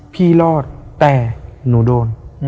พี่รอดแต่หนูโดน